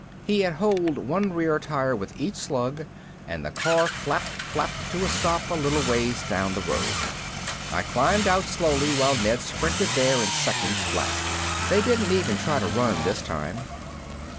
He had holed one rear tire with each slug and the car flap flapped to a stop a little ways down the road. I climbed out slowly while Ned sprinted there in seconds flat. They didn't even try to run this time.